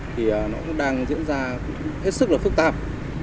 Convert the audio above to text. thì nó cũng đang diễn ra hết sức là phức tạp